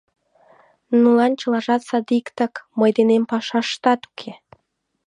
Нунылан чылажат садиктак, мый денем пашаштат уке!